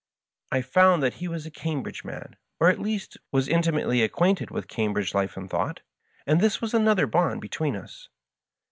I found that he was a Cambridge man, or, at least, was intimately acquainted with Cambridge life and thought ; and this was another bond between us.